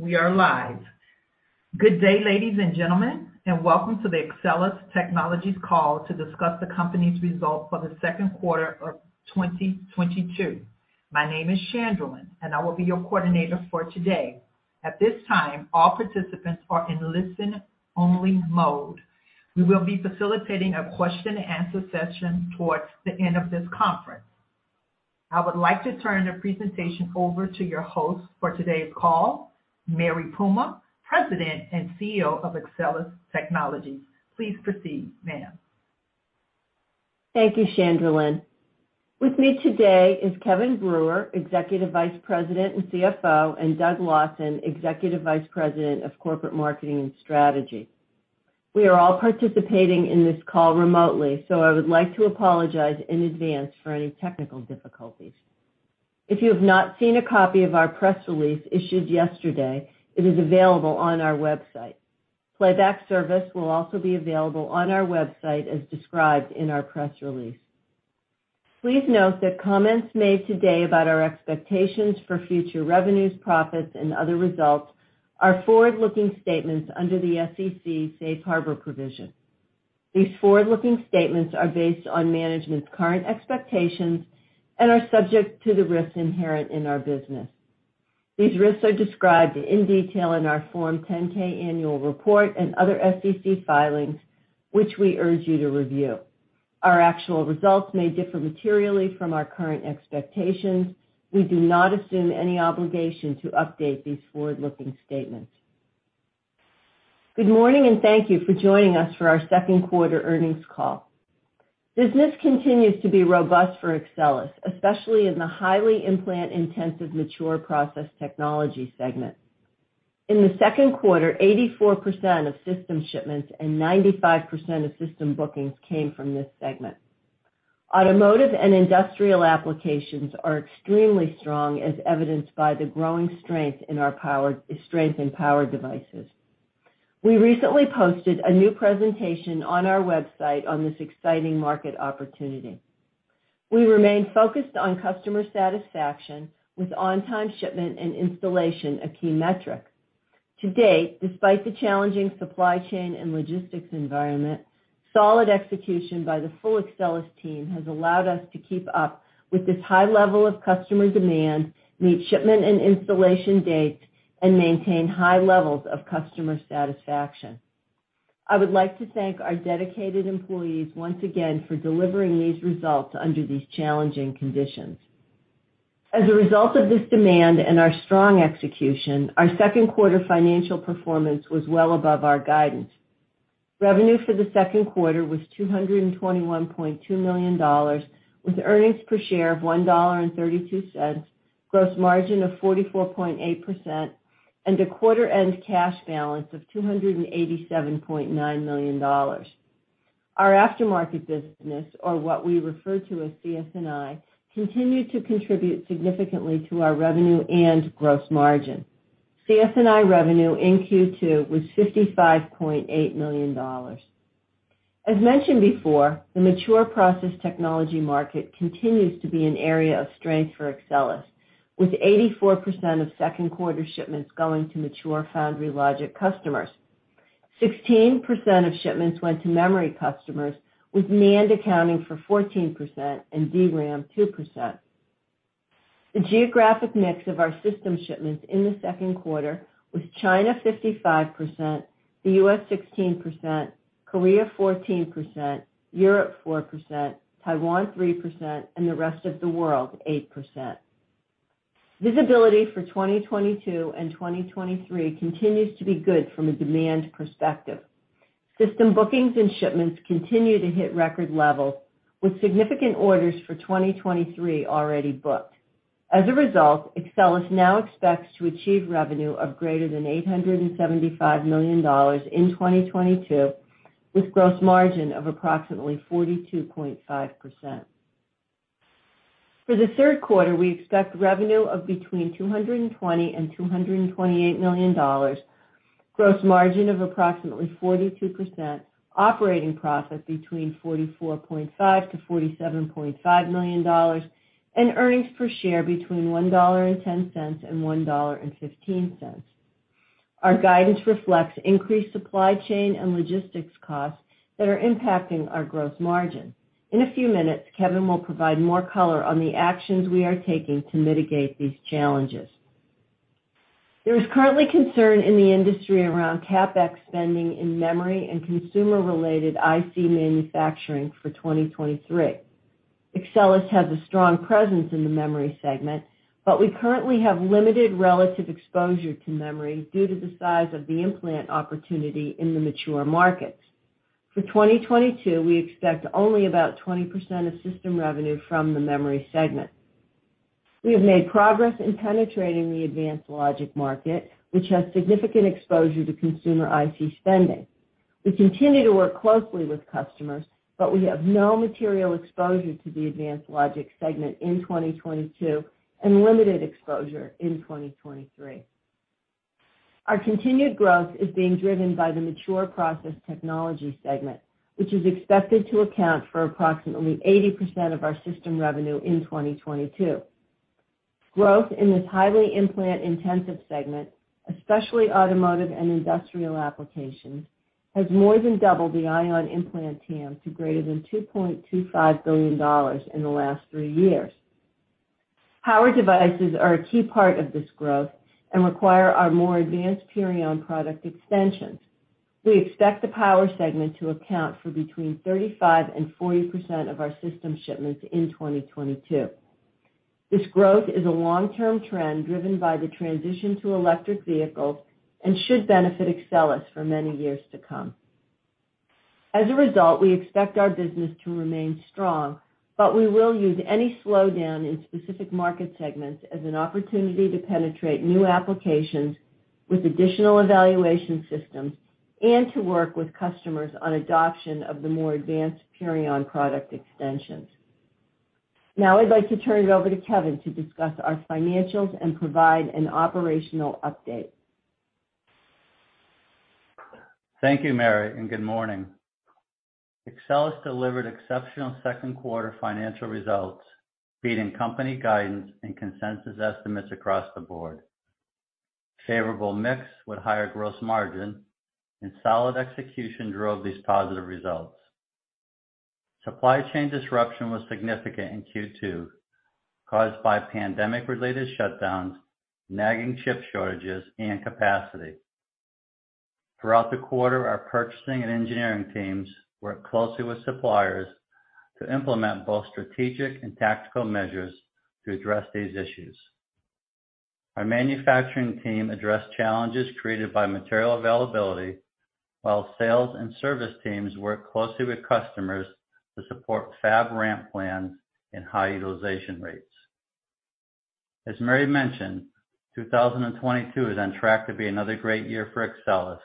We are live. Good day, ladies and gentlemen, and welcome to the Axcelis Technologies call to discuss the company's results for the second quarter of 2022. My name is Chandralyn, and I will be your coordinator for today. At this time, all participants are in listen-only mode. We will be facilitating a question and answer session towards the end of this conference. I would like to turn the presentation over to your host for today's call, Mary Puma, President and CEO of Axcelis Technologies. Please proceed, ma'am. Thank you, Chandralyn. With me today is Kevin Brewer, Executive Vice President and CFO, and Doug Lawson, Executive Vice President of Corporate Marketing and Strategy. We are all participating in this call remotely, so I would like to apologize in advance for any technical difficulties. If you have not seen a copy of our press release issued yesterday, it is available on our website. Playback service will also be available on our website as described in our press release. Please note that comments made today about our expectations for future revenues, profits, and other results are forward-looking statements under the SEC safe harbor provision. These forward-looking statements are based on management's current expectations and are subject to the risks inherent in our business. These risks are described in detail in our Form 10-K annual report and other SEC filings, which we urge you to review. Our actual results may differ materially from our current expectations. We do not assume any obligation to update these forward-looking statements. Good morning, and thank you for joining us for our second quarter earnings call. Business continues to be robust for Axcelis, especially in the highly implant-intensive mature process technology segment. In the second quarter, 84% of system shipments and 95% of system bookings came from this segment. Automotive and industrial applications are extremely strong, as evidenced by the growing strength in our power devices. We recently posted a new presentation on our website on this exciting market opportunity. We remain focused on customer satisfaction with on-time shipment and installation, a key metric. To date, despite the challenging supply chain and logistics environment, solid execution by the full Axcelis team has allowed us to keep up with this high level of customer demand, meet shipment and installation dates, and maintain high levels of customer satisfaction. I would like to thank our dedicated employees once again for delivering these results under these challenging conditions. As a result of this demand and our strong execution, our second quarter financial performance was well above our guidance. Revenue for the second quarter was $221.2 million, with earnings per share of $1.32, gross margin of 44.8%, and a quarter end cash balance of $287.9 million. Our aftermarket business, or what we refer to as CS&I, continued to contribute significantly to our revenue and gross margin. CS&I revenue in Q2 was $55.8 million. As mentioned before, the mature process technology market continues to be an area of strength for Axcelis, with 84% of second quarter shipments going to mature foundry logic customers. 16% of shipments went to memory customers, with NAND accounting for 14% and DRAM 2%. The geographic mix of our system shipments in the second quarter was China 55%, the US 16%, Korea 14%, Europe 4%, Taiwan 3%, and the rest of the world 8%. Visibility for 2022 and 2023 continues to be good from a demand perspective. System bookings and shipments continue to hit record levels, with significant orders for 2023 already booked. As a result, Axcelis now expects to achieve revenue of greater than $875 million in 2022, with gross margin of approximately 42.5%. For the third quarter, we expect revenue of between $220 million and $228 million, gross margin of approximately 42%, operating profit between $44.5 million and $47.5 million, and earnings per share between $1.10 and $1.15. Our guidance reflects increased supply chain and logistics costs that are impacting our gross margin. In a few minutes, Kevin will provide more color on the actions we are taking to mitigate these challenges. There is currently concern in the industry around CapEx spending in memory and consumer-related IC manufacturing for 2023. Axcelis has a strong presence in the memory segment, but we currently have limited relative exposure to memory due to the size of the implant opportunity in the mature markets. For 2022, we expect only about 20% of system revenue from the memory segment. We have made progress in penetrating the advanced logic market, which has significant exposure to consumer IC spending. We continue to work closely with customers, but we have no material exposure to the advanced logic segment in 2022 and limited exposure in 2023. Our continued growth is being driven by the mature process technology segment, which is expected to account for approximately 80% of our system revenue in 2022. Growth in this highly implant-intensive segment, especially automotive and industrial applications, has more than doubled the ion implant TAM to greater than $2.25 billion in the last three years. Power devices are a key part of this growth and require our more advanced Purion product extensions. We expect the power segment to account for between 35% and 40% of our system shipments in 2022. This growth is a long-term trend driven by the transition to electric vehicles and should benefit Axcelis for many years to come. As a result, we expect our business to remain strong, but we will use any slowdown in specific market segments as an opportunity to penetrate new applications with additional evaluation systems and to work with customers on adoption of the more advanced Purion product extensions. Now I'd like to turn it over to Kevin to discuss our financials and provide an operational update. Thank you, Mary, and good morning. Axcelis delivered exceptional second quarter financial results, beating company guidance and consensus estimates across the board. Favorable mix with higher gross margin and solid execution drove these positive results. Supply chain disruption was significant in Q2, caused by pandemic-related shutdowns, nagging chip shortages, and capacity. Throughout the quarter, our purchasing and engineering teams worked closely with suppliers to implement both strategic and tactical measures to address these issues. Our manufacturing team addressed challenges created by material availability, while sales and service teams worked closely with customers to support fab ramp plans and high utilization rates. As Mary mentioned, 2022 is on track to be another great year for Axcelis.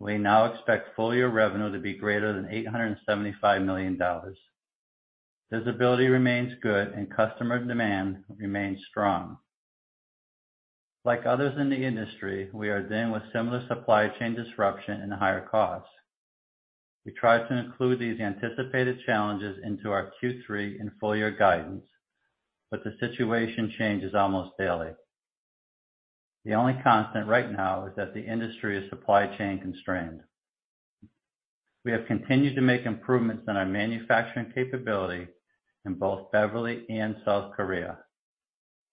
We now expect full-year revenue to be greater than $875 million. Visibility remains good, and customer demand remains strong. Like others in the industry, we are dealing with similar supply chain disruption and higher costs. We tried to include these anticipated challenges into our Q3 and full-year guidance, but the situation changes almost daily. The only constant right now is that the industry is supply chain constrained. We have continued to make improvements in our manufacturing capability in both Beverly and South Korea.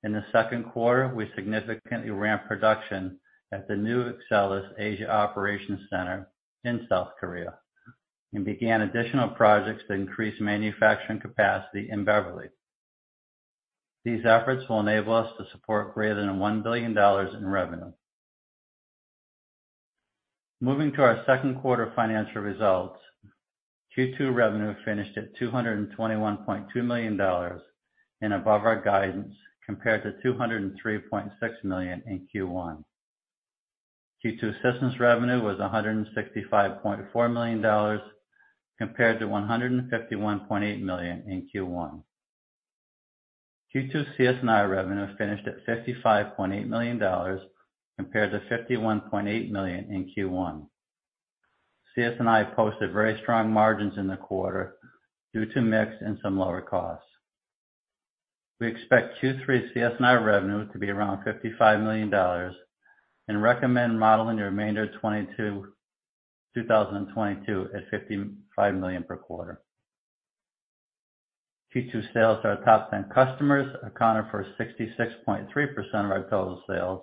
In the second quarter, we significantly ramped production at the new Axcelis Asia Operations Center in South Korea and began additional projects to increase manufacturing capacity in Beverly. These efforts will enable us to support greater than $1 billion in revenue. Moving to our second quarter financial results, Q2 revenue finished at $221.2 million and above our guidance compared to $203.6 million in Q1. Q2 systems revenue was $165.4 million compared to $151.8 million in Q1. Q2 CS&I revenue finished at $55.8 million compared to $51.8 million in Q1. CS&I posted very strong margins in the quarter due to mix and some lower costs. We expect Q3 CS&I revenue to be around $55 million and recommend modeling the remainder of 2022 at $55 million per quarter. Q2 sales to our top ten customers accounted for 66.3% of our total sales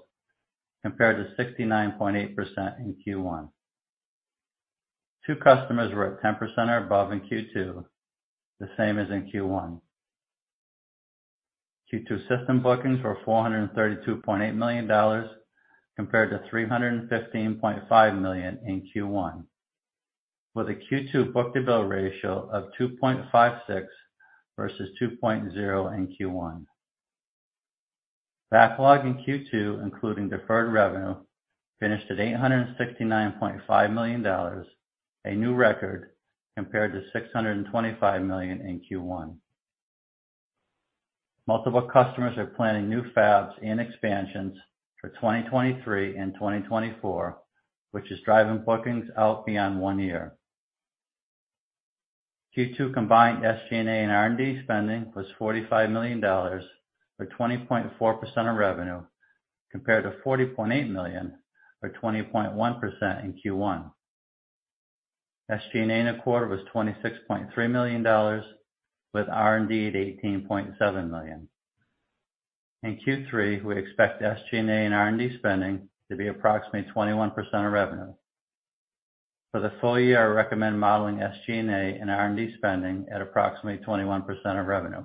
compared to 69.8% in Q1. Two customers were at 10% or above in Q2, the same as in Q1. Q2 system bookings were $432.8 million compared to $315.5 million in Q1, with a Q2 book-to-bill ratio of 2.56 versus 2.0 in Q1. Backlog in Q2, including deferred revenue, finished at $869.5 million, a new record, compared to $625 million in Q1. Multiple customers are planning new fabs and expansions for 2023 and 2024, which is driving bookings out beyond one year. Q2 combined SG&A and R&D spending was $45 million, or 20.4% of revenue, compared to $40.8 million, or 20.1% in Q1. SG&A in the quarter was $26.3 million, with R&D at $18.7 million. In Q3, we expect SG&A and R&D spending to be approximately 21% of revenue. For the full year, I recommend modeling SG&A and R&D spending at approximately 21% of revenue.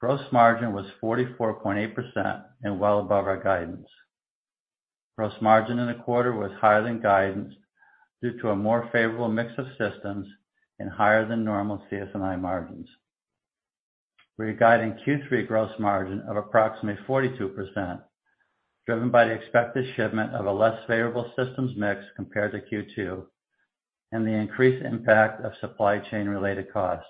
Gross margin was 44.8% and well above our guidance. Gross margin in the quarter was higher than guidance due to a more favorable mix of systems and higher than normal CS&I margins. We are guiding Q3 gross margin of approximately 42%, driven by the expected shipment of a less favorable systems mix compared to Q2 and the increased impact of supply chain-related costs.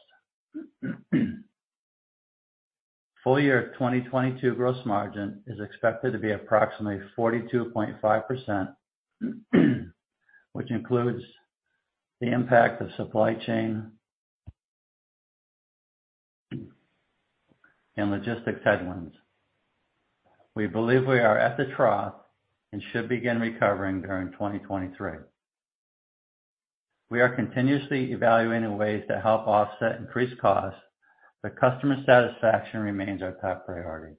Full year 2022 gross margin is expected to be approximately 42.5%, which includes the impact of supply chain and logistics headwinds. We believe we are at the trough and should begin recovering during 2023. We are continuously evaluating ways to help offset increased costs, but customer satisfaction remains our top priority.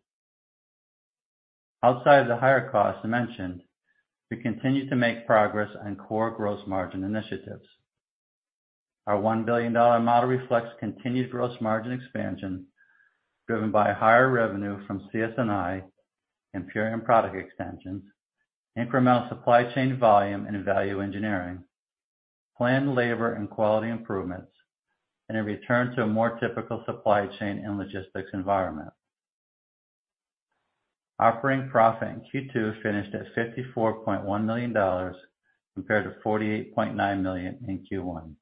Outside of the higher costs mentioned, we continue to make progress on core gross margin initiatives. Our $1 billion model reflects continued gross margin expansion driven by higher revenue from CS&I, Purion product expansions, incremental supply chain volume and value engineering, planned labor and quality improvements, and a return to a more typical supply chain and logistics environment. Operating profit in Q2 finished at $54.1 million compared to $48.9 million in Q1.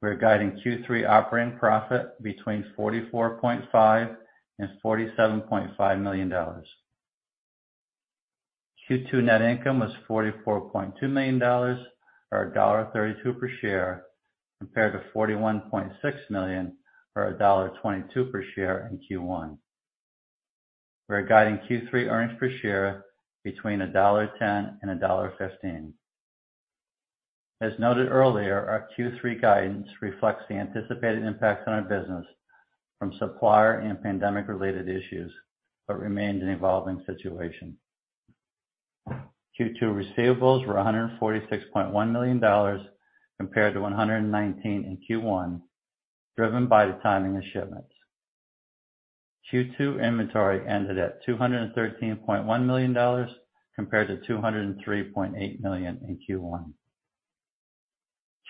We're guiding Q3 operating profit between $44.5 and $47.5 million. Q2 net income was $44.2 million, or $1.32 per share, compared to $41.6 million or $1.22 per share in Q1. We're guiding Q3 earnings per share between $1.10 and $1.15. As noted earlier, our Q3 guidance reflects the anticipated impact on our business from supplier and pandemic-related issues, but remains an evolving situation. Q2 receivables were $146.1 million compared to $119 million in Q1, driven by the timing of shipments. Q2 inventory ended at $213.1 million compared to $203.8 million in Q1.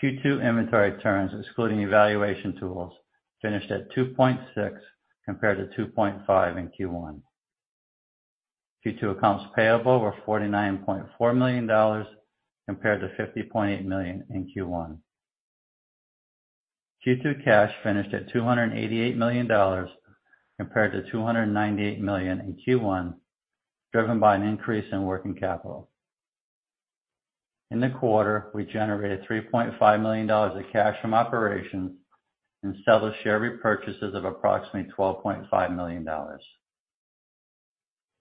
Q2 inventory turns, excluding evaluation tools, finished at 2.6 compared to 2.5 in Q1. Q2 accounts payable were $49.4 million compared to $50.8 million in Q1. Q2 cash finished at $288 million compared to $298 million in Q1, driven by an increase in working capital. In the quarter, we generated $3.5 million of cash from operations and established share repurchases of approximately $12.5 million.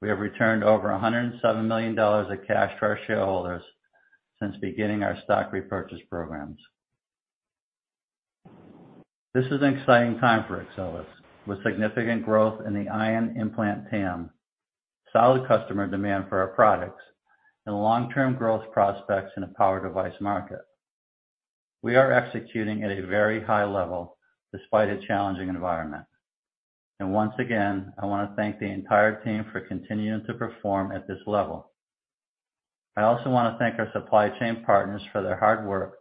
We have returned over $107 million of cash to our shareholders since beginning our stock repurchase programs. This is an exciting time for Axcelis, with significant growth in the ion implant TAM, solid customer demand for our products, and long-term growth prospects in the power device market. We are executing at a very high level despite a challenging environment. Once again, I want to thank the entire team for continuing to perform at this level. I also want to thank our supply chain partners for their hard work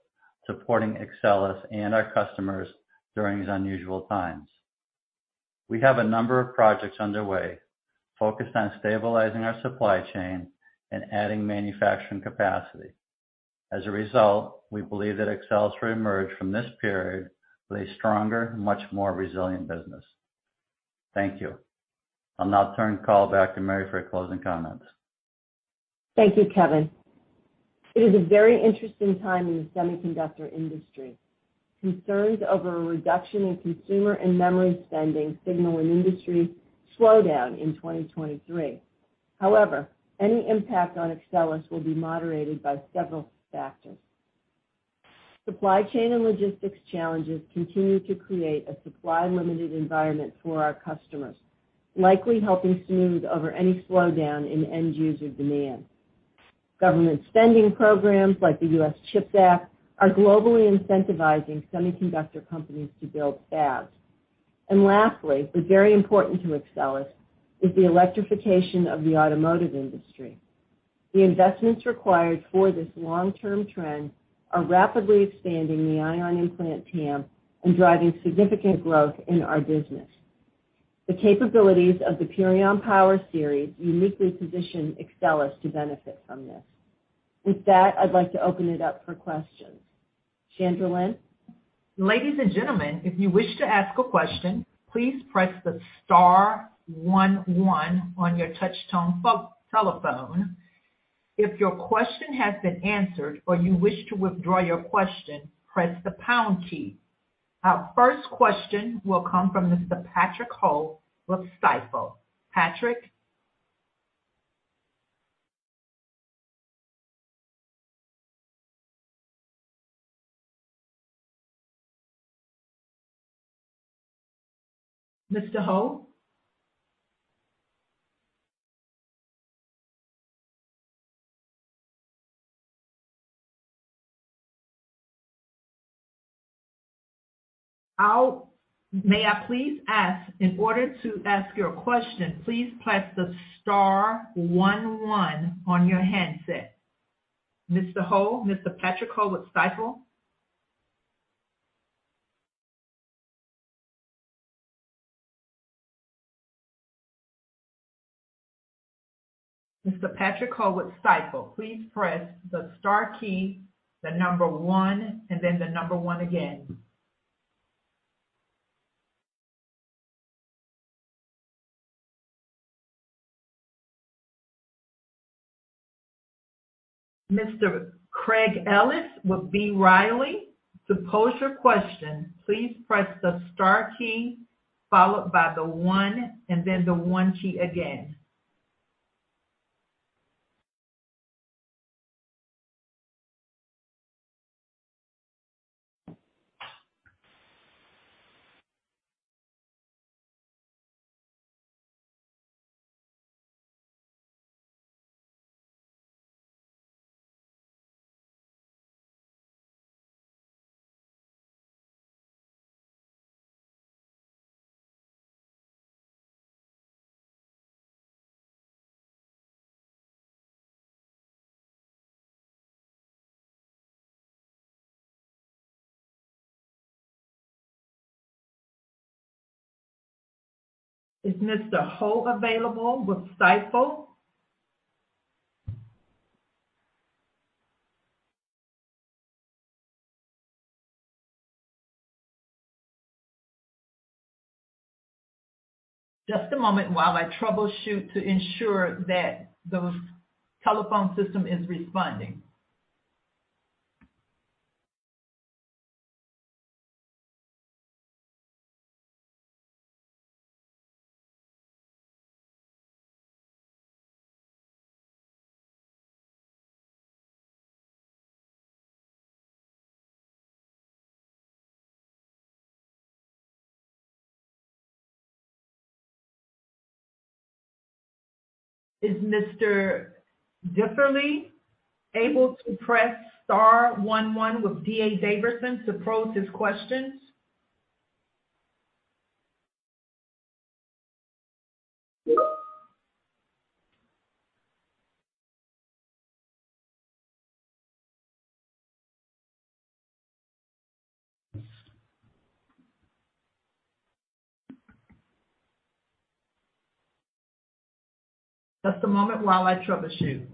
supporting Axcelis and our customers during these unusual times. We have a number of projects underway focused on stabilizing our supply chain and adding manufacturing capacity. As a result, we believe that Axcelis will emerge from this period with a stronger, much more resilient business. Thank you. I'll now turn the call back to Mary for closing comments. Thank you, Kevin. It is a very interesting time in the semiconductor industry. Concerns over a reduction in consumer and memory spending signal an industry slowdown in 2023. However, any impact on Axcelis will be moderated by several factors. Supply chain and logistics challenges continue to create a supply-limited environment for our customers, likely helping smooth over any slowdown in end user demand. Government spending programs like the CHIPS and Science Act are globally incentivizing semiconductor companies to build fabs. Lastly, but very important to Axcelis, is the electrification of the automotive industry. The investments required for this long-term trend are rapidly expanding the ion implant TAM and driving significant growth in our business. The capabilities of the Purion Power Series uniquely position Axcelis to benefit from this. With that, I'd like to open it up for questions. Chandralyn? Ladies and gentlemen, if you wish to ask a question, please press the star one one on your touch tone telephone. If your question has been answered or you wish to withdraw your question, press the pound key. Our first question will come from Mr. Patrick Ho with Stifel. Patrick? Mr. Ho? May I please ask, in order to ask your question, please press the star one one on your handset. Mr. Ho, Mr. Patrick Ho with Stifel? Mr. Patrick Ho, Stifel, please press the star key, the number one, and then the number one again. Mr. Craig Ellis with B. Riley, to pose your question, please press the star key followed by the one and then the one key again. Is Mr. Ho available with Stifel? Just a moment while I troubleshoot to ensure that the telephone system is responding. Is Mr. Diffely able to press star one one with D.A. Davidson to pose his questions? Just a moment while I troubleshoot.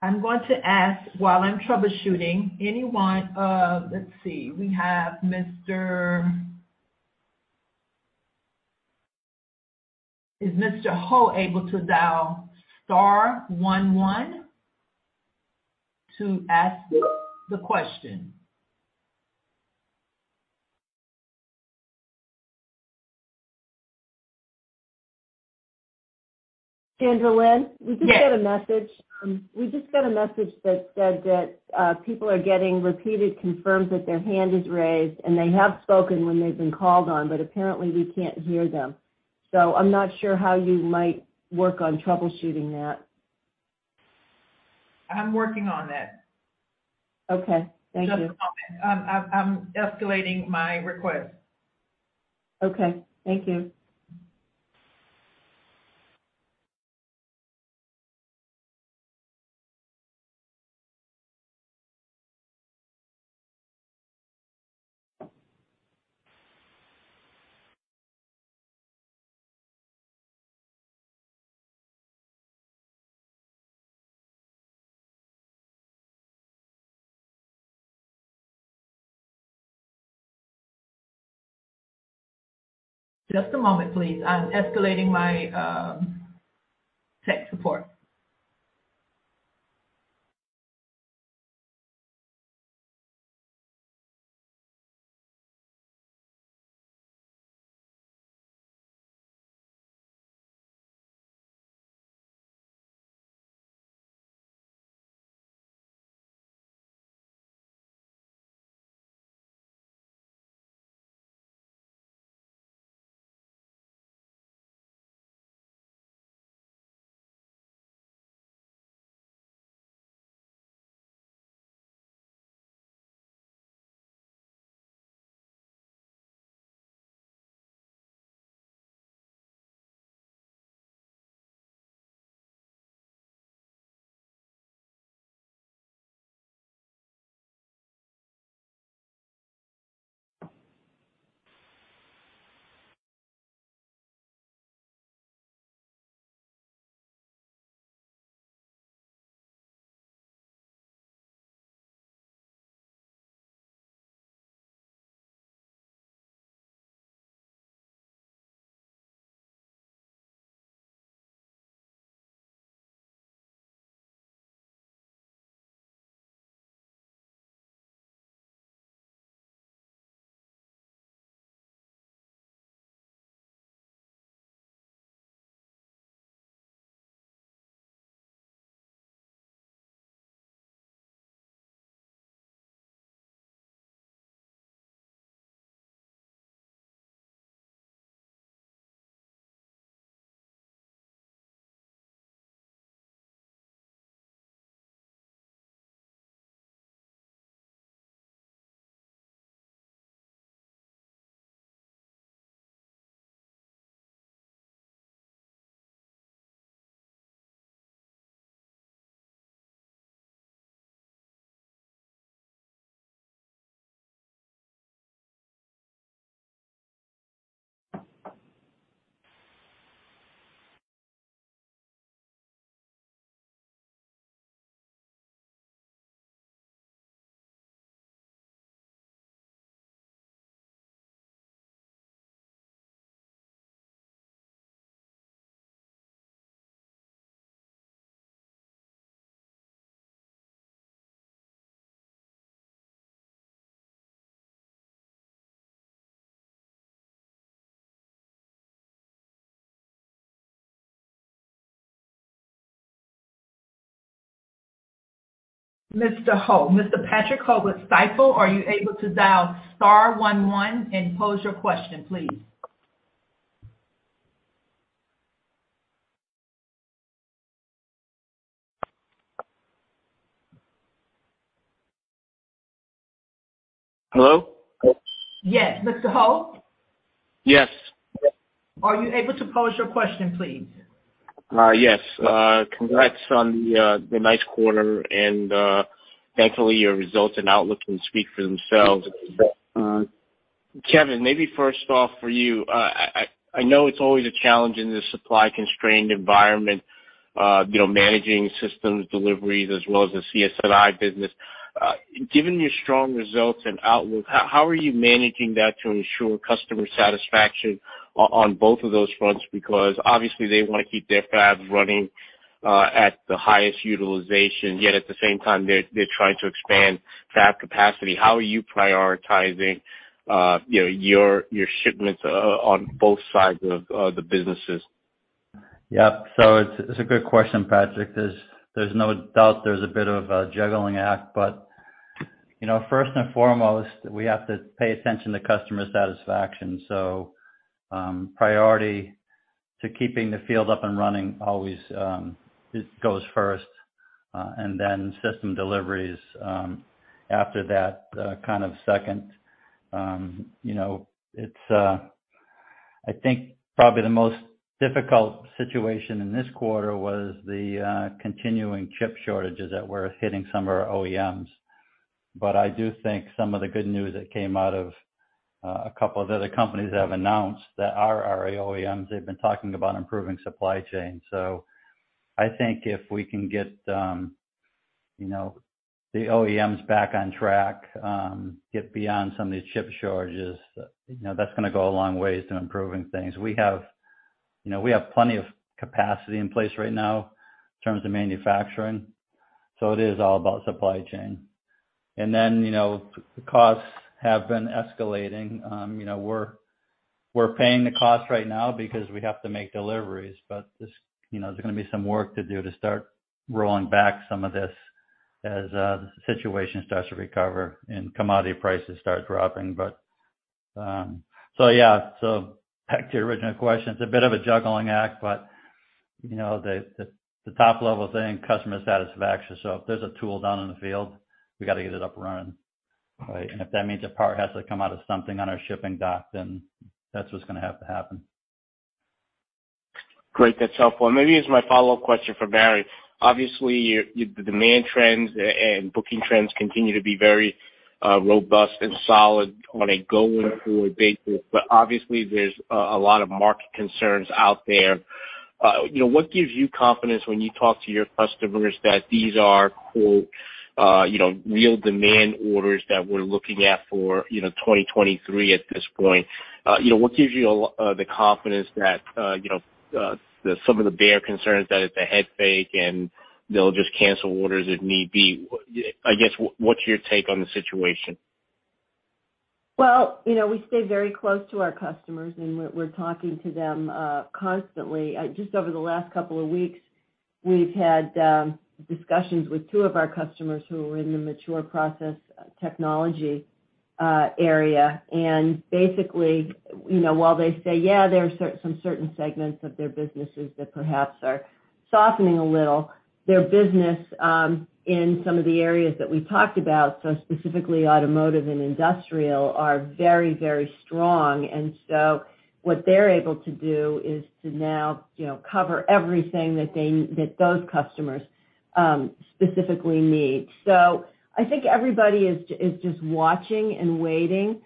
I'm going to ask while I'm troubleshooting, anyone. Let's see. Is Mr. Ho able to dial star one one to ask the question? Chandralyn? Yes. We just got a message that said that people are getting repeated confirmations that their hand is raised and they have spoken when they've been called on, but apparently we can't hear them. I'm not sure how you might work on troubleshooting that. I'm working on that. Okay. Thank you. Just a moment. I'm escalating my request. Okay. Thank you. Just a moment, please. I'm escalating my tech support. Mr. Ho, Mr. Patrick Ho with Stifel, are you able to dial star one one and pose your question, please? Hello? Yes. Mr. Ho? Yes. Are you able to pose your question, please? Yes. Congrats on the nice quarter and, thankfully, your results and outlook can speak for themselves. Kevin, maybe first off for you. I know it's always a challenge in this supply constrained environment, you know, managing systems deliveries as well as the CS&I business. Given your strong results and outlook, how are you managing that to ensure customer satisfaction on both of those fronts? Because obviously they wanna keep their fab running at the highest utilization, yet at the same time, they're trying to expand fab capacity. How are you prioritizing, you know, your shipments on both sides of the businesses? Yeah. It's a good question, Patrick. There's no doubt there's a bit of a juggling act, but you know, first and foremost, we have to pay attention to customer satisfaction. Priority to keeping the field up and running always, it goes first, and then system deliveries, after that, kind of second. You know, it's I think probably the most difficult situation in this quarter was the continuing chip shortages that were hitting some of our OEMs. But I do think some of the good news that came out of a couple of other companies have announced that our OEMs, they've been talking about improving supply chain. I think if we can get, you know, the OEMs back on track, get beyond some of these chip shortages, you know, that's gonna go a long way to improving things. We have, you know, plenty of capacity in place right now in terms of manufacturing, so it is all about supply chain. Then, you know, the costs have been escalating. You know, we're paying the costs right now because we have to make deliveries, but this, you know, there's gonna be some work to do to start rolling back some of this as the situation starts to recover and commodity prices start dropping. Yeah, back to your original question, it's a bit of a juggling act, but, you know, the top level thing, customer satisfaction. If there's a tool down in the field, we gotta get it up and running, right? If that means a part has to come out of something on our shipping dock, then that's what's gonna have to happen. Great. That's helpful. Maybe as my follow-up question for Mary. Obviously, your demand trends and booking trends continue to be very robust and solid on a going forward basis, but obviously there's a lot of market concerns out there. You know, what gives you confidence when you talk to your customers that these are quote you know real demand orders that we're looking at for 2023 at this point? You know, what gives you the confidence that some of the bear concerns that it's a head fake and they'll just cancel orders if need be? I guess, what's your take on the situation? Well, you know, we stay very close to our customers, and we're talking to them constantly. Just over the last couple of weeks, we've had discussions with two of our customers who are in the mature process technology area. Basically, you know, while they say, yeah, there are some certain segments of their businesses that perhaps are softening a little, their business in some of the areas that we talked about, so specifically automotive and industrial, are very, very strong. What they're able to do is to now, you know, cover everything that those customers specifically need. I think everybody is just watching and waiting,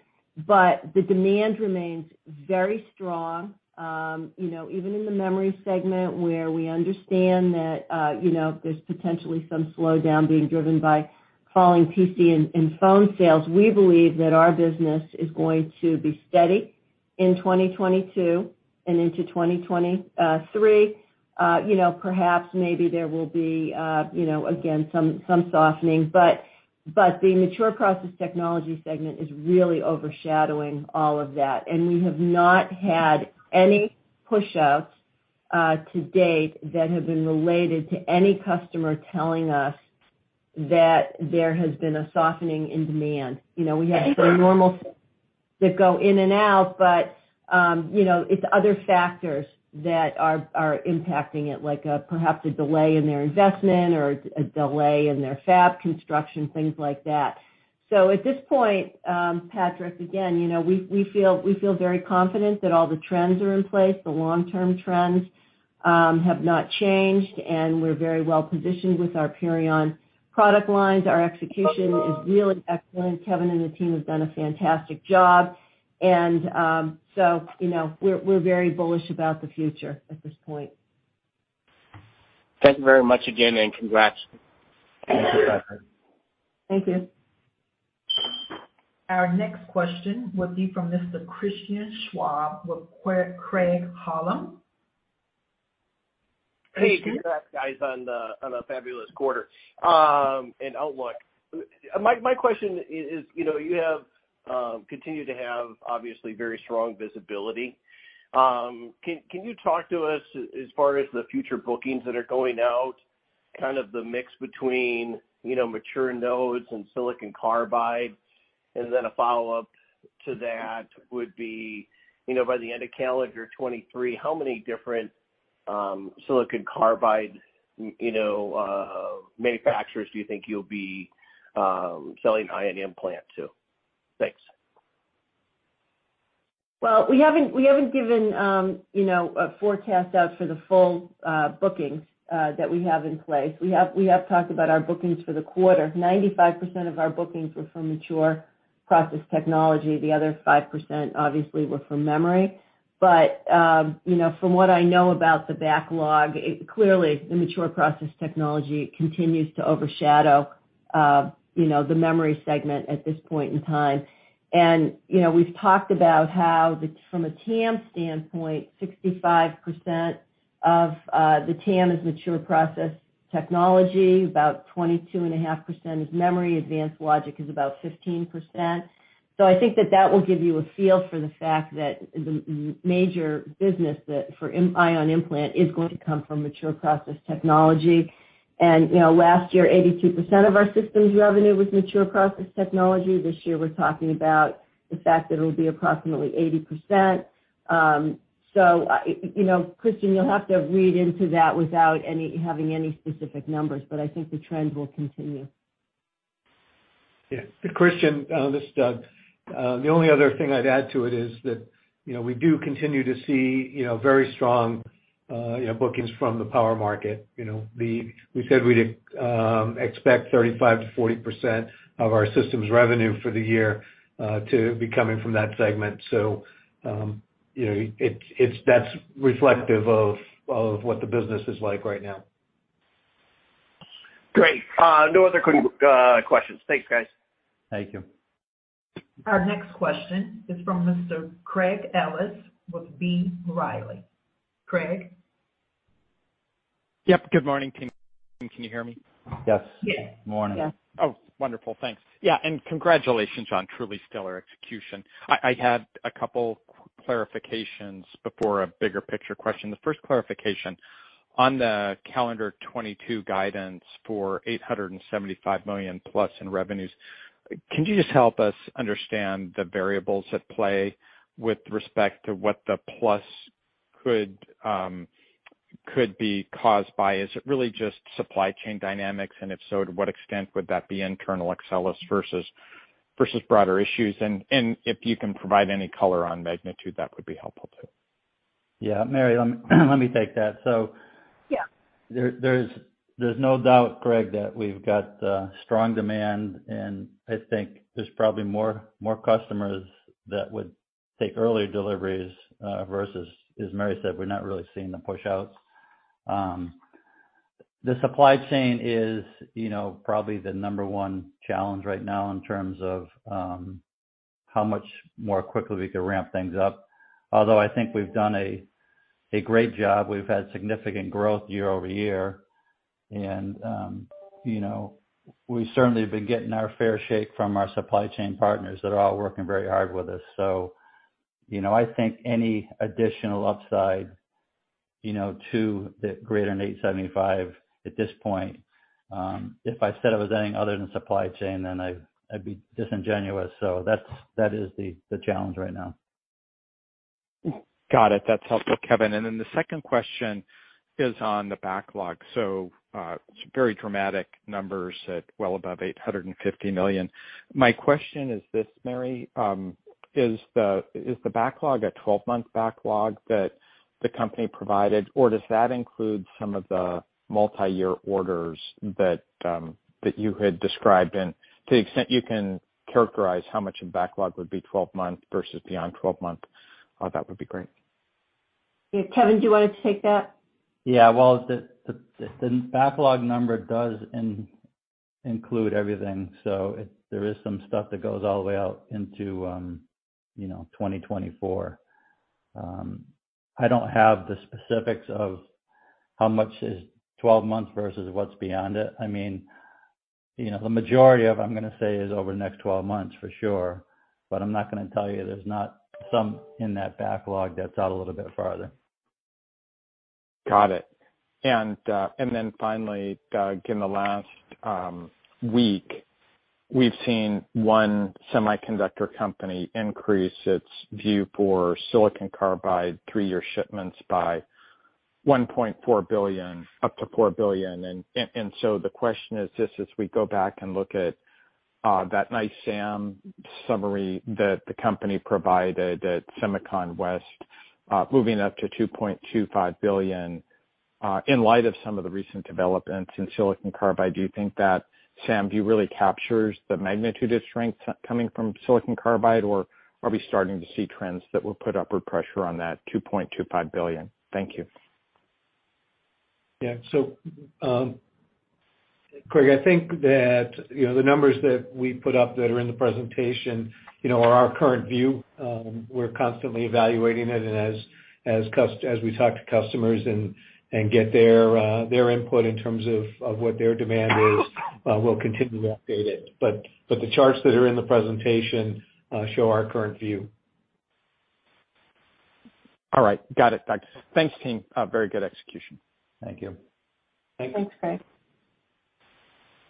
but the demand remains very strong. You know, even in the memory segment where we understand that, you know, there's potentially some slowdown being driven by falling PC and phone sales, we believe that our business is going to be steady in 2022 and into 2023. You know, perhaps maybe there will be, you know, again, some softening, but the mature process technology segment is really overshadowing all of that. We have not had any pushouts to date that have been related to any customer telling us that there has been a softening in demand. You know, we have some normal that go in and out, but you know, it's other factors that are impacting it, like, perhaps a delay in their investment or a delay in their fab construction, things like that. At this point, Patrick, again, you know, we feel very confident that all the trends are in place. The long-term trends have not changed, and we're very well positioned with our Purion product lines. Our execution is really excellent. Kevin and the team have done a fantastic job. You know, we're very bullish about the future at this point. Thank you very much again and congrats. Thank you. Our next question will be from Mr. Christian Schwab with Craig-Hallum. Hey, congrats guys on a fabulous quarter and outlook. My question is, you know, you continue to have obviously very strong visibility. Can you talk to us as far as the future bookings that are going out, kind of the mix between, you know, mature nodes and silicon carbide? A follow-up to that would be, you know, by the end of calendar 2023, how many different silicon carbide manufacturers do you think you'll be selling ion implant to? Thanks. Well, we haven't given, you know, a forecast out for the full bookings that we have in place. We have talked about our bookings for the quarter. 95% of our bookings were from mature process technology. The other 5% obviously were from memory. You know, from what I know about the backlog, it clearly, the mature process technology continues to overshadow, you know, the memory segment at this point in time. You know, we've talked about how the from a TAM standpoint, 65% of the TAM is mature process technology, about 22.5% is memory, advanced logic is about 15%. I think that will give you a feel for the fact that the major business for ion implant is going to come from mature process technology. You know, last year, 82% of our systems revenue was mature process technology. This year, we're talking about the fact that it'll be approximately 80%. So, I, you know, Christian, you'll have to read into that without having any specific numbers, but I think the trend will continue. Yeah. Christian, this is Doug. The only other thing I'd add to it is that, you know, we do continue to see, you know, very strong, you know, bookings from the power market. You know, we said we'd expect 35%-40% of our systems revenue for the year to be coming from that segment. You know, that's reflective of what the business is like right now. Great. No other questions. Thanks, guys. Thank you. Our next question is from Mr. Craig Ellis with B. Riley. Craig? Yep, good morning, team. Can you hear me? Yes. Yes. Morning. Yes. Oh, wonderful. Thanks. Yeah, congratulations on truly stellar execution. I had a couple of clarifications before a bigger picture question. The first clarification, on the calendar 2022 guidance for $875 million plus in revenues, can you just help us understand the variables at play with respect to what the plus could be caused by? Is it really just supply chain dynamics? If so, to what extent would that be internal to Axcelis versus broader issues? If you can provide any color on magnitude, that would be helpful too. Yeah. Mary, let me take that. Yeah. There's no doubt, Craig, that we've got strong demand, and I think there's probably more customers that would take early deliveries versus as Mary said, we're not really seeing the push-outs. The supply chain is, you know, probably the number one challenge right now in terms of how much more quickly we could ramp things up. Although I think we've done a great job. We've had significant growth year-over-year. You know, we certainly have been getting our fair shake from our supply chain partners that are all working very hard with us. You know, I think any additional upside, you know, to the greater than $875 at this point, if I said it was anything other than supply chain, then I'd be disingenuous. That is the challenge right now. Got it. That's helpful, Kevin. The second question is on the backlog. Some very dramatic numbers well above $850 million. My question is this, Mary, is the backlog a twelve-month backlog that the company provided, or does that include some of the multi-year orders that you had described? To the extent you can characterize how much of backlog would be twelve-month versus beyond twelve-month, that would be great. Yeah. Kevin, do you want to take that? Yeah. Well, the backlog number does include everything, so it, there is some stuff that goes all the way out into, you know, 2024. I don't have the specifics of how much is 12 months versus what's beyond it. I mean, you know, the majority of it, I'm gonna say, is over the next 12 months for sure, but I'm not gonna tell you there's not some in that backlog that's out a little bit farther. Got it. Then finally, Doug, in the last week, we've seen one semiconductor company increase its view for silicon carbide three-year shipments by $1.4 billion, up to $4 billion. The question is just as we go back and look at that nice SAM summary that the company provided at SEMICON West, moving up to $2.25 billion, in light of some of the recent developments in silicon carbide, do you think that SAM view really captures the magnitude of strength coming from silicon carbide, or are we starting to see trends that will put upward pressure on that $2.25 billion? Thank you. Yeah. Craig, I think that, you know, the numbers that we put up that are in the presentation, you know, are our current view. We're constantly evaluating it. As we talk to customers and get their input in terms of what their demand is, we'll continue to update it. The charts that are in the presentation show our current view. All right. Got it. Thanks, team. Very good execution. Thank you. Thanks, Craig.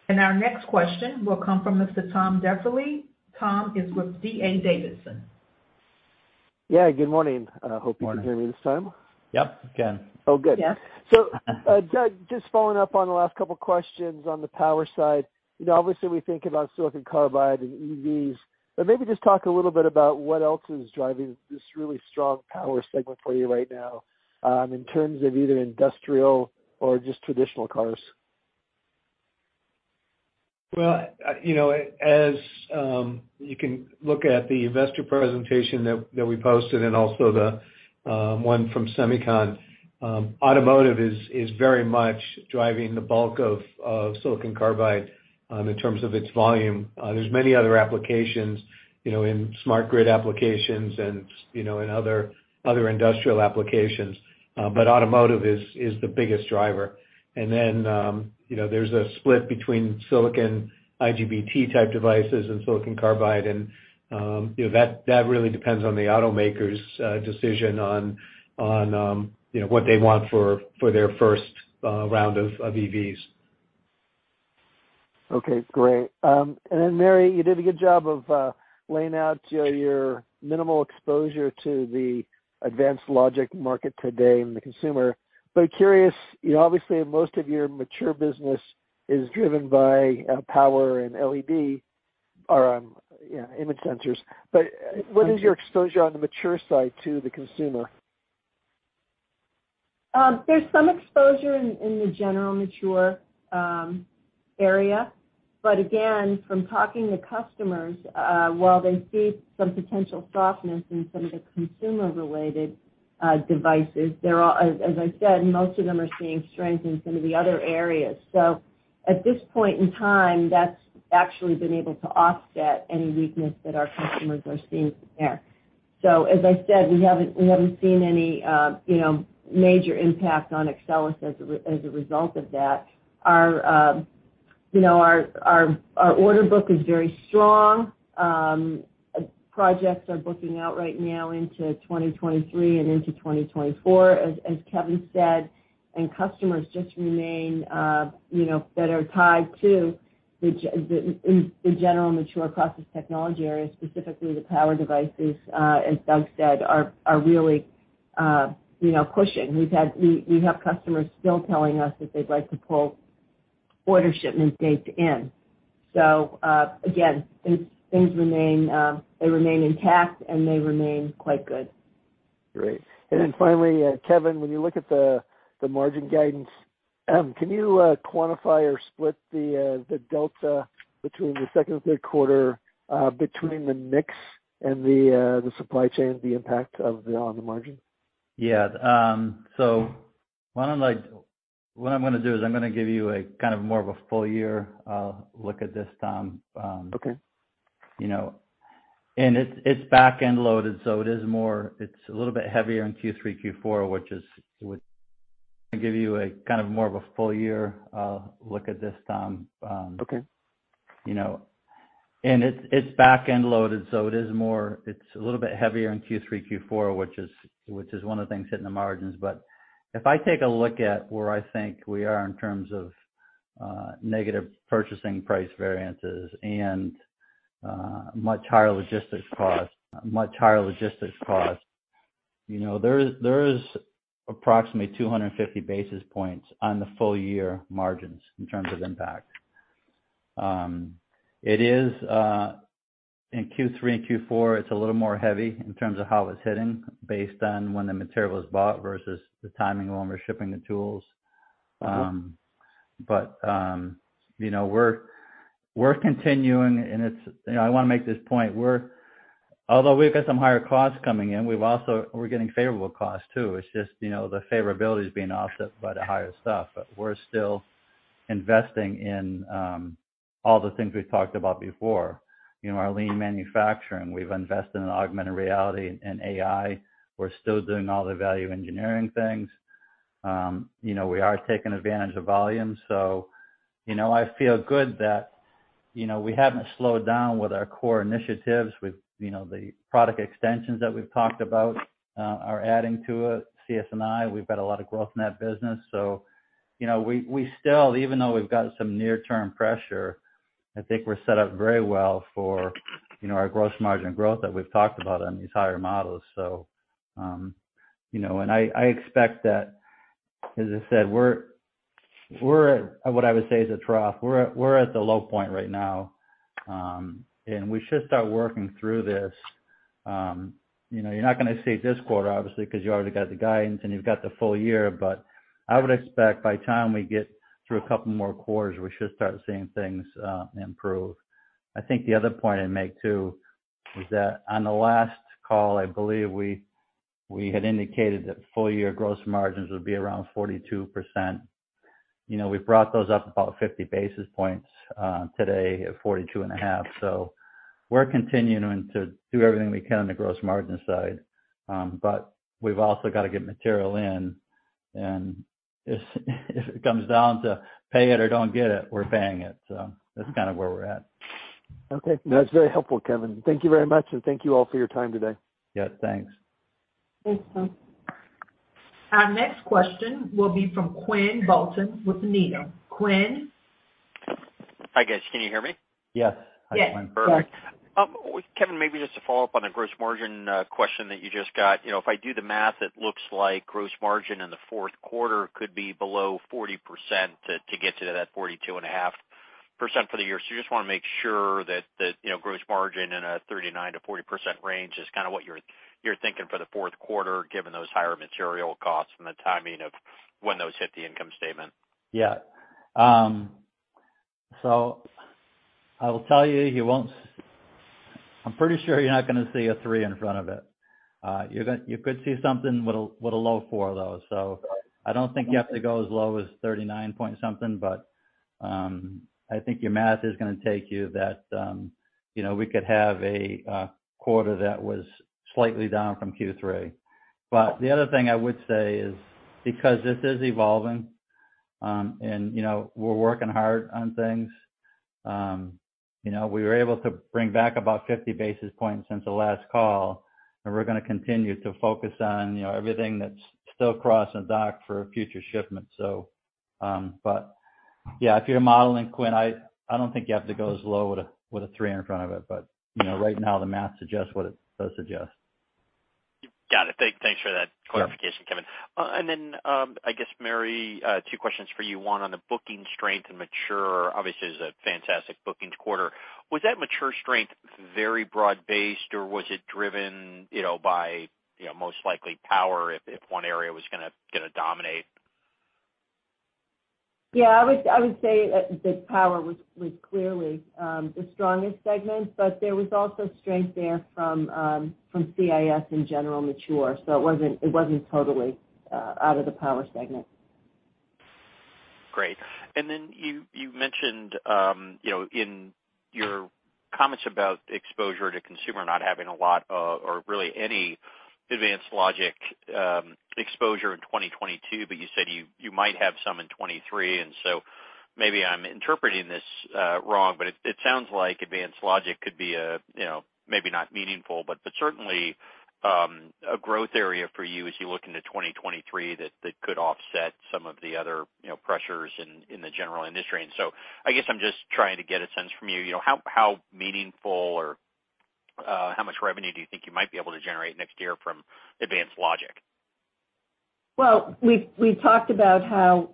Our next question will come from Mr. Tom Diffely. Tom is with D.A. Davidson. Yeah, good morning. Hope you can hear me this time. Yep, can. Oh, good. Yeah. Doug, just following up on the last couple questions on the power side. You know, obviously, we think about silicon carbide and EVs, but maybe just talk a little bit about what else is driving this really strong power segment for you right now, in terms of either industrial or just traditional cars. Well, you know, as you can look at the investor presentation that we posted and also the one from SEMICON, automotive is very much driving the bulk of silicon carbide in terms of its volume. There's many other applications, you know, in smart grid applications and, you know, in other industrial applications, but automotive is the biggest driver. Then, you know, there's a split between silicon IGBT type devices and silicon carbide, and, you know, that really depends on the automaker's decision on, you know, what they want for their first round of EVs. Okay, great. Mary, you did a good job of laying out, you know, your minimal exposure to the advanced logic market today and the consumer. Curious, you know, obviously, most of your mature business is driven by power and LED or, you know, image sensors. What is your exposure on the mature side to the consumer? There's some exposure in the general mature area. Again, from talking to customers, while they see some potential softness in some of the consumer-related devices, as I said, most of them are seeing strength in some of the other areas. At this point in time, that's actually been able to offset any weakness that our customers are seeing there. As I said, we haven't seen any, you know, major impact on Axcelis as a result of that. You know, our order book is very strong. Projects are booking out right now into 2023 and into 2024, as Kevin said. Customers just remain, you know, that are tied to the general mature process technology areas, specifically the power devices, as Doug said, are really, you know, pushing. We have customers still telling us that they'd like to pull order shipment dates in. Again, things remain, they remain intact, and they remain quite good. Great. Finally, Kevin, when you look at the margin guidance, can you quantify or split the delta between the second and third quarter between the mix and the supply chain impact on the margin? Yeah. What I'm gonna do is I'm gonna give you a kind of more of a full year look at this Tom. Okay You know. It's back-end loaded, so it is more, it's a little bit heavier in Q3, Q4, which would give you a kind of more of a full year look at this Tom. Okay You know. It's back-end loaded, so it is more, it's a little bit heavier in Q3, Q4, which is one of the things hitting the margins. If I take a look at where I think we are in terms of negative purchasing price variances and much higher logistics costs, you know, there is approximately 250 basis points on the full year margins in terms of impact. It is in Q3 and Q4, it's a little more heavy in terms of how it's hitting based on when the material is bought versus the timing when we're shipping the tools. You know, we're continuing and it's you know, I wanna make this point. We're, although we've got some higher costs coming in, we've also, we're getting favorable costs too. It's just, you know, the favorability is being offset by the higher stuff. We're still investing in all the things we've talked about before. You know, our lean manufacturing, we've invested in augmented reality and AI. We're still doing all the value engineering things. You know, we are taking advantage of volume, so, you know, I feel good that you know, we haven't slowed down with our core initiatives. You know, the product extensions that we've talked about are adding to it. CS&I, we've got a lot of growth in that business. You know, we still, even though we've got some near-term pressure, I think we're set up very well for, you know, our gross margin growth that we've talked about on these higher models. I expect that, as I said, we're at what I would say is a trough. We're at the low point right now. We should start working through this. You know, you're not gonna see it this quarter, obviously, because you already got the guidance and you've got the full year. I would expect by the time we get through a couple more quarters, we should start seeing things improve. I think the other point I'd make, too, was that on the last call, I believe we had indicated that full-year gross margins would be around 42%. You know, we brought those up about 50 basis points today at 42.5%. We're continuing to do everything we can on the gross margin side. We've also got to get material in, and if it comes down to pay it or don't get it, we're paying it. That's kind of where we're at. Okay. That's very helpful, Kevin. Thank you very much, and thank you all for your time today. Yeah, thanks. Thanks, Tom. Our next question will be from Quinn Bolton with Needham. Quinn? Hi, guys. Can you hear me? Yes. Yes. Hi, Quinn. Perfect. Kevin, maybe just to follow up on the gross margin question that you just got. You know, if I do the math, it looks like gross margin in the fourth quarter could be below 40% to get to that 42.5% for the year. I just wanna make sure that the, you know, gross margin in a 39%-40% range is kinda what you're thinking for the fourth quarter, given those higher material costs and the timing of when those hit the income statement. Yeah. I will tell you won't. I'm pretty sure you're not gonna see a 3 in front of it. You could see something with a low 4, though. I don't think you have to go as low as 39 point something, but I think your math is gonna take you that, you know, we could have a quarter that was slightly down from Q3. The other thing I would say is, because this is evolving, and you know, we're working hard on things, you know, we were able to bring back about 50 basis points since the last call, and we're gonna continue to focus on, you know, everything that's still crossing dock for future shipments. Yeah, if you're modeling, Quinn, I don't think you have to go as low with a 3 in front of it. But, you know, right now, the math suggests what it does suggest. Got it. Thanks for that clarification, Kevin. I guess, Mary, two questions for you. One on the booking strength in mature. Obviously, it was a fantastic bookings quarter. Was that mature strength very broad-based, or was it driven, you know, by, you know, most likely power if one area was gonna dominate? Yeah, I would say that the power was clearly the strongest segment, but there was also strength there from CIS and general mature. It wasn't totally out of the power segment. Great. You mentioned, you know, in your comments about exposure to consumer not having a lot, or really any advanced logic, exposure in 2022, but you said you might have some in 2023. Maybe I'm interpreting this wrong, but it sounds like advanced logic could be a, you know, maybe not meaningful, but certainly a growth area for you as you look into 2023 that could offset some of the other, you know, pressures in the general industry. I guess I'm just trying to get a sense from you know, how meaningful or how much revenue do you think you might be able to generate next year from advanced logic? We've talked about how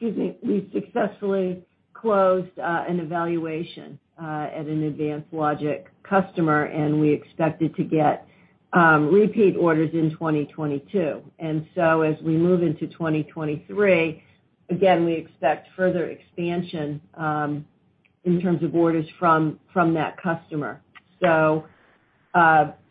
we successfully closed an evaluation at an advanced logic customer, and we expected to get repeat orders in 2022. As we move into 2023, again, we expect further expansion in terms of orders from that customer.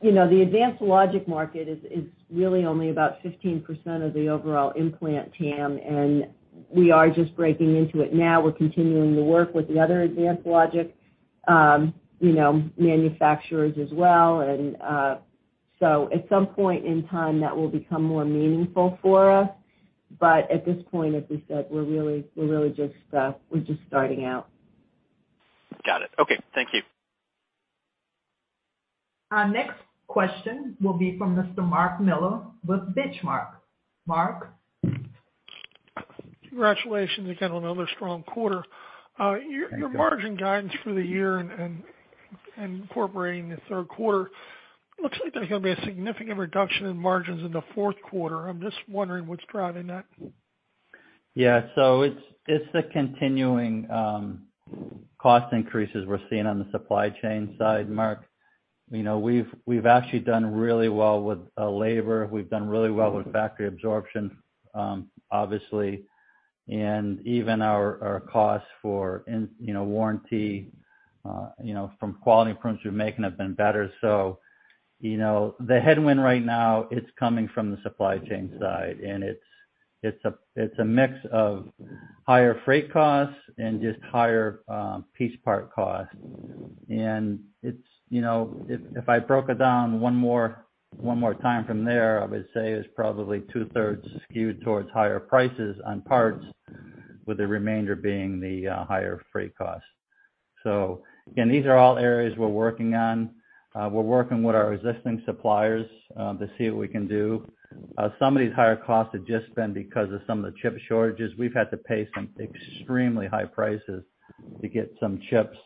You know, the advanced logic market is really only about 15% of the overall implant TAM, and we are just breaking into it now. We're continuing to work with the other advanced logic, you know, manufacturers as well. At some point in time, that will become more meaningful for us. At this point, as we said, we're really just starting out. Got it. Okay. Thank you. Our next question will be from Mr. Mark Miller with Benchmark. Mark? Congratulations again on another strong quarter. Thank you. Your margin guidance for the year and incorporating the third quarter looks like there's gonna be a significant reduction in margins in the fourth quarter. I'm just wondering what's driving that? Yeah. It's the continuing cost increases we're seeing on the supply chain side, Mark. You know, we've actually done really well with labor. We've done really well with factory absorption, obviously. Even our costs for warranty, you know, from quality improvements we're making have been better. You know, the headwind right now, it's coming from the supply chain side, and it's a mix of higher freight costs and just higher piece part costs. It's, you know, if I broke it down one more time from there, I would say it was probably two-thirds skewed towards higher prices on parts, with the remainder being the higher freight costs. Again, these are all areas we're working on. We're working with our existing suppliers to see what we can do. Some of these higher costs have just been because of some of the chip shortages. We've had to pay some extremely high prices to get some chips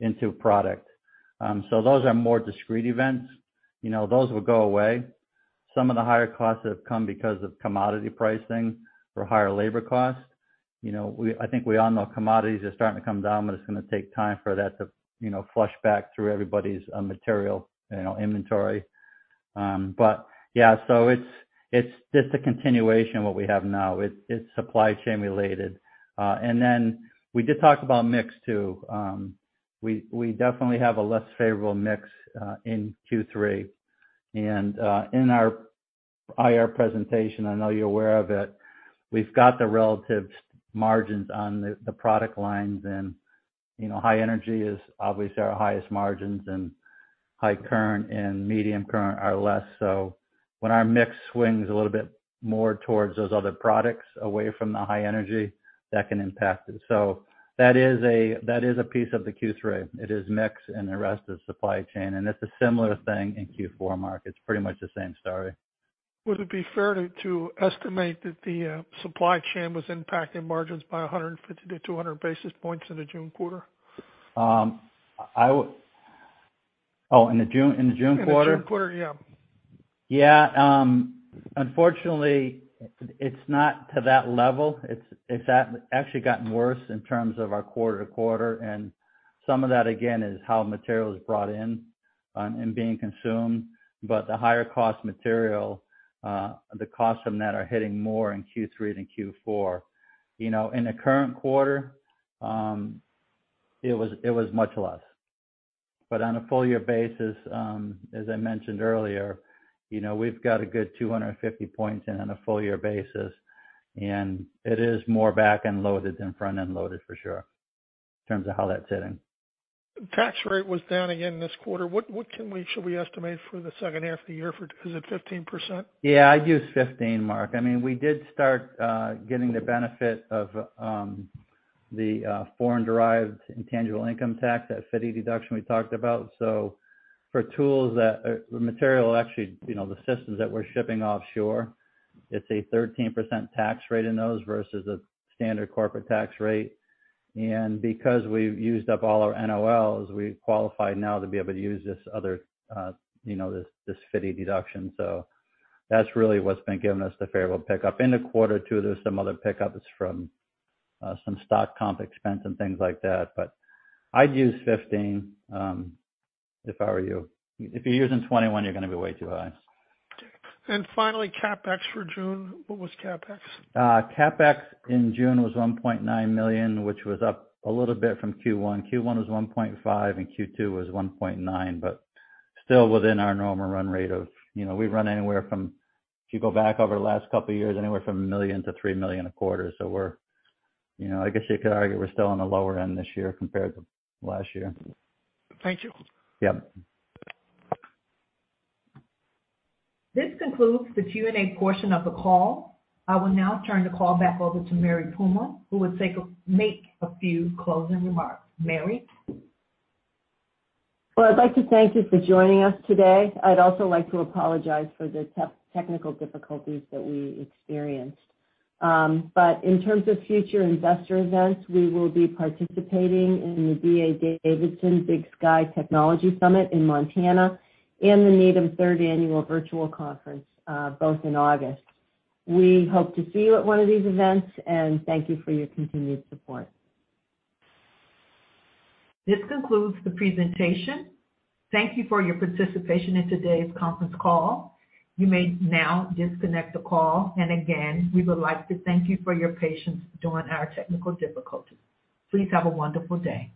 into product. So those are more discrete events. You know, those will go away. Some of the higher costs have come because of commodity pricing or higher labor costs. You know, I think we all know commodities are starting to come down, but it's gonna take time for that to, you know, flush back through everybody's material, you know, inventory. But yeah, so it's just a continuation what we have now. It's supply chain related. We did talk about mix too. We definitely have a less favorable mix in Q3. In our IR presentation, I know you're aware of it, we've got the relative margins on the product lines and, you know, High Energy is obviously our highest margins, and High Current and Medium Current are less. So when our mix swings a little bit more towards those other products away from the High Energy, that can impact it. So that is a piece of the Q3. It is mix and the rest is supply chain. It's a similar thing in Q4, Mark. It's pretty much the same story. Would it be fair to estimate that the supply chain was impacting margins by 150 to 200 basis points in the June quarter? In the June quarter? In the June quarter, yeah. Yeah. Unfortunately it's not to that level. It's actually gotten worse in terms of our quarter-to-quarter. Some of that, again, is how material is brought in, and being consumed. The higher cost material, the costs from that are hitting more in Q3 than Q4. You know, in the current quarter, it was much less. On a full year basis, as I mentioned earlier, you know, we've got a good 250 points in on a full year basis, and it is more back-end loaded than front-end loaded for sure in terms of how that's hitting. Tax rate was down again this quarter. Shall we estimate for the second half of the year? Is it 15%? Yeah, I'd use 15, Mark. I mean, we did start getting the benefit of the foreign-derived intangible income tax, that FDII deduction we talked about. For tools that materially actually, you know, the systems that we're shipping offshore, it's a 13% tax rate in those versus a standard corporate tax rate. Because we've used up all our NOLs, we qualify now to be able to use this other, you know, this FDII deduction. That's really what's been giving us the favorable pickup in the quarter too. There's some other pickups from some stock comp expense and things like that. I'd use 15 if I were you. If you're using 21, you're gonna be way too high. Okay. Finally, CapEx for June. What was CapEx? CapEx in June was $1.9 million, which was up a little bit from Q1. Q1 was $1.5 million, and Q2 was $1.9 million, but still within our normal run rate. You know, we run anywhere from, if you go back over the last couple of years, anywhere from $1 million-$3 million a quarter. You know, I guess you could argue we're still on the lower end this year compared to last year. Thank you. Yep. This concludes the Q&A portion of the call. I will now turn the call back over to Mary Puma, who will make a few closing remarks. Mary? Well, I'd like to thank you for joining us today. I'd also like to apologize for the technical difficulties that we experienced. In terms of future investor events, we will be participating in the D.A. Davidson Big Sky Technology Summit in Montana and the Needham Third Annual Virtual Conference, both in August. We hope to see you at one of these events, and thank you for your continued support. This concludes the presentation. Thank you for your participation in today's conference call. You may now disconnect the call. Again, we would like to thank you for your patience during our technical difficulties. Please have a wonderful day.